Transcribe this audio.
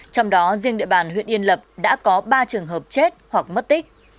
trong đó riêng địa bàn huyện yên lập đã có ba trường hợp chết hoặc mất tích